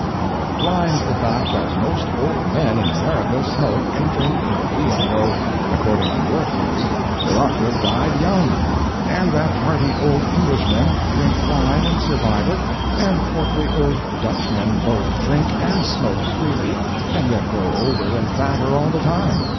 You are blind to the fact that most old men in America smoke and drink coffee, although, according to your theory, they ought to have died young; and that hearty old Englishmen drink wine and survive it, and portly old Dutchmen both drink and smoke freely, and yet grow older and fatter all the time.